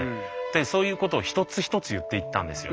そういうことを一つ一つ言っていったんですよ。